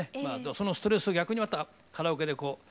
そのストレスを逆にまたカラオケでこう。